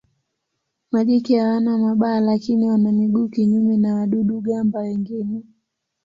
Majike hawana mabawa lakini wana miguu kinyume na wadudu-gamba wengine.